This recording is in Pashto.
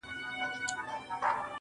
دا مي روزگار دى دغـه كــار كــــــومـــه